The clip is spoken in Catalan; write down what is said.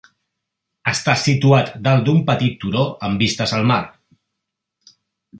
Està situat dalt d'un petit turó amb vistes al mar.